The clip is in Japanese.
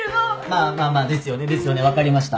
まあまあまあですよねですよね分かりました。